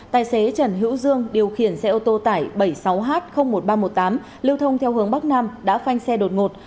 tài xế trần hữu dương điều khiển xe ô tô tải bảy mươi sáu h một nghìn ba trăm một mươi tám lưu thông theo hướng bắc nam đã phanh xe đột ngột